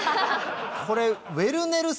これ。